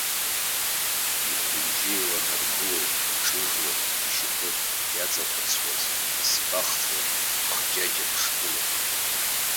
Ихәыижьы еиланаргыло иҿыжуан ишьапы иаҵаҟәыцуаз асы бахҵәа хџьаџьа ԥштәала.